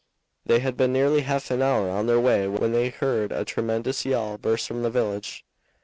They had been nearly half an hour on their way when they heard a tremendous yell burst from the village.